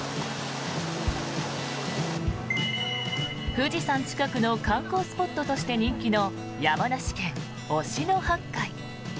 富士山近くの観光スポットとして人気の山梨県・忍野八海。